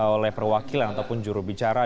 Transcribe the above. oleh perwakilan ataupun jurubicara